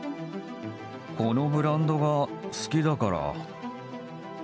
このブランドが好きだから。